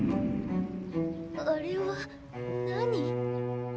あれは何？